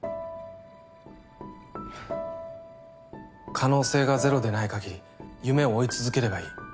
可能性がゼロでない限り夢を追い続ければいい。